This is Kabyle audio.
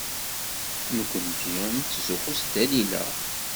Nekkenti nettzuxxu s Dalila.